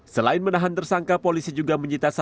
selain menahan tersangka polisi juga mencita satu unitan